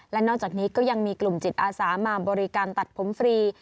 และนอกจากนี้ก็ยังมีกลุ่มจิตอาสามาบริการตัดผมฟรี